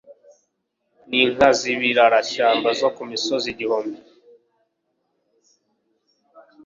n'inka z'ibirarashyamba zo ku misozi igihumbi.